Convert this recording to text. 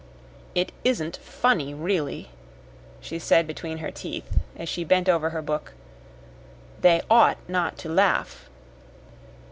"It isn't funny, really," she said between her teeth, as she bent over her book. "They ought not to laugh."